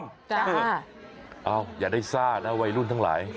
เอาอย่าได้ซ่านะวัยรุ่นทั้งหลาย